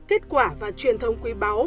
kết quả và truyền thông quý báo